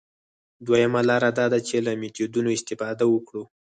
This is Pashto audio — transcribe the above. دویمه لاره دا ده چې له میتودونو استفاده وکړو.